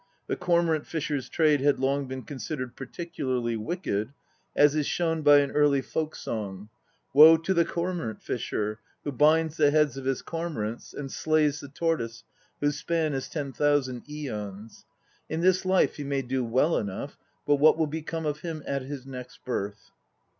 The cormorant fisher's trade had long been considered particularly wicked, as is shown by an early folk song: * "Woe to the comorant fisher Who binds the heads of his cormorants And slays the tortoise whose span is ten thousand aeons! In this life he may do well enough, But what will become of him at his next birth?"